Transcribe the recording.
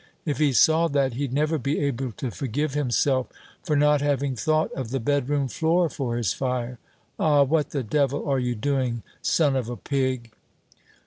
If he saw that, he'd never be able to forgive himself for not having thought of the bedroom floor for his fire.' Ah, what the devil are you doing, son of a pig?"